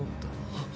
あっ。